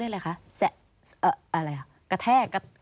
สวัสดีค่ะที่จอมฝันครับ